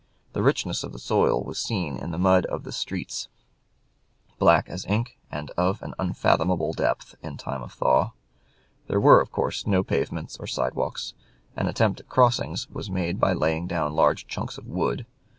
The richness of the soil was seen in the mud of the streets, black as ink, and of an unfathomable depth in time of thaw. There were, of course, no pavements or sidewalks; an attempt at crossings was made by laying down large chunks of wood.